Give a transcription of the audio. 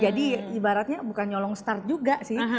ibaratnya bukan nyolong start juga sih